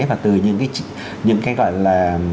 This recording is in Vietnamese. và từ những cái gọi là